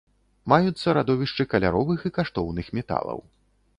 Маюцца радовішчы каляровых і каштоўных металаў.